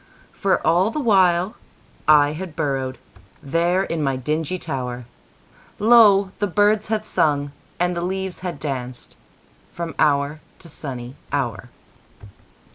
For all the while I had burrowedThere in my dingy tower, Lo! the birds had sung and the leaves had dancedFrom hour to sunny hour.